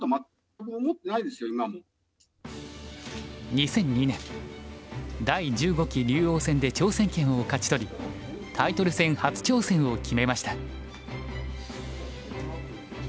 ２００２年第１５期竜王戦で挑戦権を勝ち取りタイトル戦初挑戦を決めました。